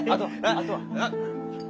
あとは？